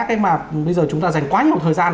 cái mà bây giờ chúng ta dành quá nhiều thời gian